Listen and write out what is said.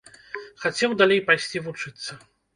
Хацеў далей пайсці вучыцца.